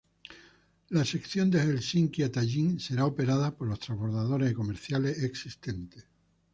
La sección de Helsinki a Tallin será operada por los transbordadores comerciales existentes.